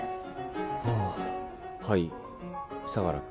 ああはい相良君。